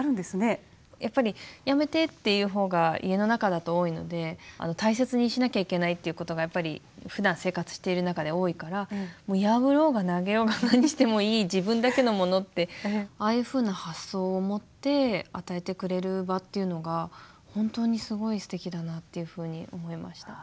やっぱり「やめて」って言う方が家の中だと多いので大切にしなきゃいけないっていうことがやっぱりふだん生活している中で多いからもう破ろうが投げようが何してもいい自分だけのものってああいうふうな発想を持って与えてくれる場っていうのが本当にすごいすてきだなっていうふうに思いました。